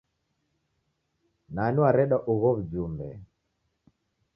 Nani wareda ugho w'ujumbe?